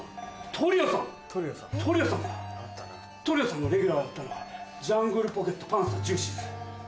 『トリオさん』のレギュラーだったのはジャングルポケットパンサージューシーズ。